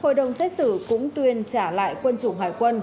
hội đồng xét xử cũng tuyên trả lại quân chủng hải quân